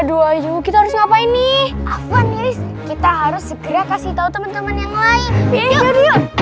aduh kita harus ngapain nih afan ya kita harus segera kasih tahu teman teman yang lain